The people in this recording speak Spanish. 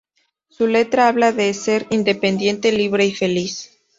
Su letra habla de ser independiente, libre y feliz.